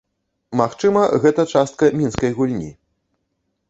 Магчыма, гэта частка мінскай гульні.